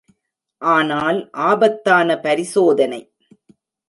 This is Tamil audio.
ஆனால் ஆபத்தான பரிசோதனை.